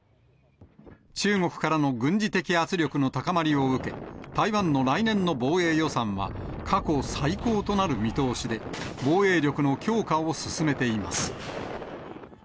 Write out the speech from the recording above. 中国からの軍事的圧力の高まりを受け、台湾の来年の防衛予算は過去最高となる見通しで、防衛力の強化を進めています。